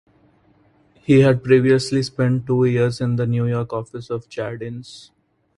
He had previously spent two years in the New York office of Jardines.